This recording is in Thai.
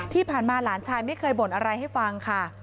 ที่ผ่านมาหลานชายไม่เคยบ่นอะไรให้ฟังค่ะ